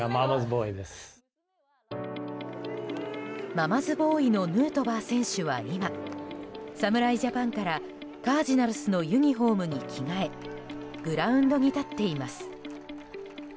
ママズボーイのヌートバー選手は今、侍ジャパンからカージナルスのユニホームに着替えグラウンドに立っています。